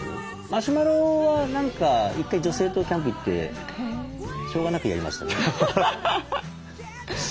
マシュマロは何か１回女性とキャンプ行ってしょうがなくやりましたね。